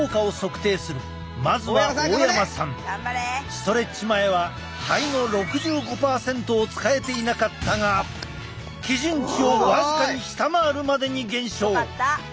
ストレッチ前は肺の６５％を使えていなかったが基準値を僅かに下回るまでに減少！